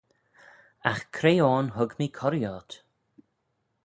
Agh cre ayn hug mee corree ort?